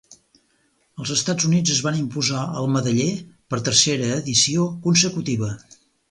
Els Estats Units es van imposar al medaller per tercera edició consecutiva.